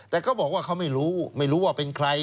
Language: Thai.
แต่เขาบอกว่าเขาไม่รู้ไม่รู้ว่าเป็นใคร